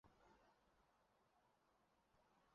裸子植物的演化允许植物不再那么依赖水生存。